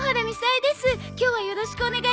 今日はよろしくお願いいたします。